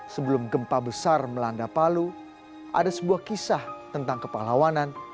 sebelum gempa besar melanda palu ada sebuah kisah tentang kepahlawanan